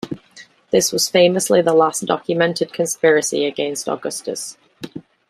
This was famously the last documented conspiracy against Augustus.